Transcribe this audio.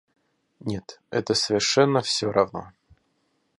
Нет, это совершенно все равно.